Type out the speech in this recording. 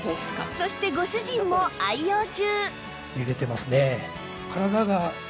そしてご主人も愛用中